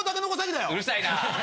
うるさいな！